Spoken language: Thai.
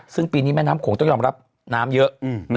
ซึ่งปีนี้แม่น้ำโขงต้องยอมรับน้ำเยอะ